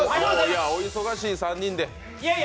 お忙しい３人で。